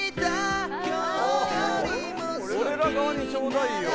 俺ら側にちょうだいよ。